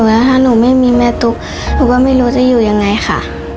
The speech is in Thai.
แล้วถ้าหนูไม่มีแม่ตุ๊กหนูก็ไม่รู้จะอยู่ยังไงค่ะ